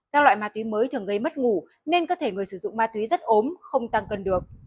các loại ma túy mới thường gây mất ngủ nên có thể người sử dụng ma túy rất ốm không tăng cân được